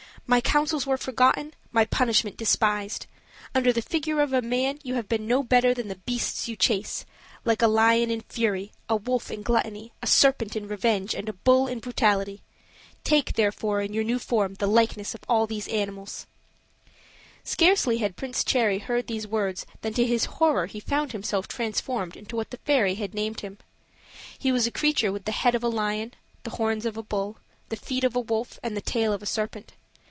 My counsels were forgotten, my punishment despised. Under the figure of a man, you have been no better than the beasts you chase: like a lion in fury, a wolf in gluttony, a serpent in revenge, and a bull in brutality. Take, therefore, in your new form the likeness of all these animals." Scarcely had Prince Cherry heard these words than to his horror he found himself transformed into what the Fairy had named. He was a creature with the head of a lion, the horns of a bull, the feet of a wolf, and the tail of a serpent.